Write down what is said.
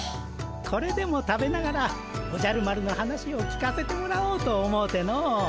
これでも食べながらおじゃる丸の話を聞かせてもらおうと思うての。